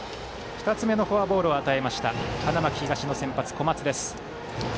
２つ目のフォアボールを与えた花巻東の先発・小松。